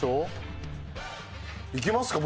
いきますか？